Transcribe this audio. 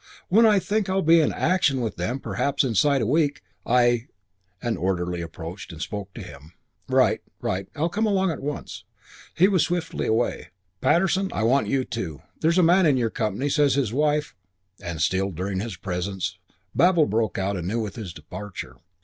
When I think I'll be in action with them perhaps inside a week I " An orderly approached and spoke to him. "Right. Right. I'll come along at once." He was swiftly away. "Patterson, I want you too. There's a man in your company says his wife " And, stilled during his presence, babel broke out anew with his departure.